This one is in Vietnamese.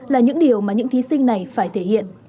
là những điều mà những thí sinh này phải thể hiện